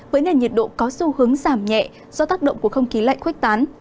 với nền nhiệt độ có xu hướng giảm nhẹ do tác động của không khí lạnh khoách tán